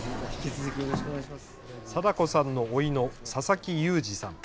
禎子さんのおいの佐々木祐滋さん。